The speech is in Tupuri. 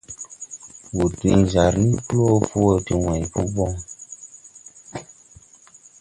Wur din jar ni blo po wo de wãy po bon.